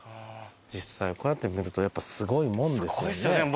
実際こうやって見るとやっぱすごいもんですよね。